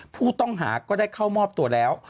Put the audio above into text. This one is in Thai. ผู้ต้องหาก็ได้เข้ามอบตัวแล้ว